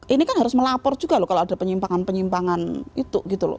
ini kan harus melapor juga loh kalau ada penyimpangan penyimpangan itu gitu loh